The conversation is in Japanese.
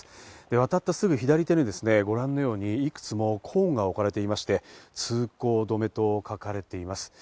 渡ったすぐ左手にご覧のようにいくつもコーンが置かれていまして、通行止めと書かれています。